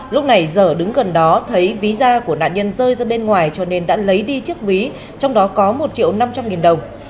lúc này dở đứng gần đó thấy ví da của nạn nhân rơi ra bên ngoài cho nên đã lấy đi chiếc ví trong đó có một triệu năm trăm linh nghìn đồng